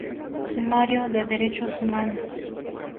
Sumario de Derechos Humanos".